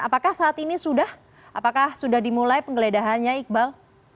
apakah saat ini sudah dimulai penggeledahannya iqbal